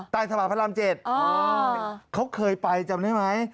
ใต้สภาพพระรามเจ็ดเขาเคยไปจำได้ไหม